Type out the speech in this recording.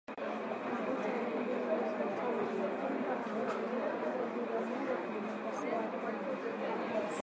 Kiongozi wa kundi hilo Sultani Makenga anaaminika kurudi Jamhuri ya kidemokrasia ya Kongo.